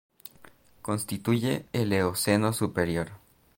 Constituye el Eoceno superior.